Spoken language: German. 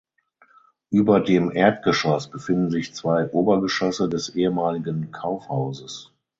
Über dem Erdgeschoss befinden sich zwei Obergeschosse des ehemaligen Kaufhauses.